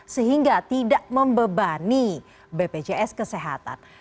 sehingga tidak membebani bpjs kesehatan